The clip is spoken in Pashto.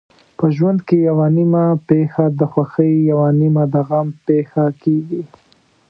په ژوند کې یوه نیمه پېښه د خوښۍ یوه نیمه د غم پېښه کېږي.